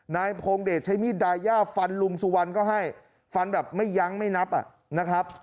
นายพงเดชใช้มีดดายาฟันลุงสุวรรณก็ให้ฟันแบบไม่ยั้งไม่นับอ่ะนะครับ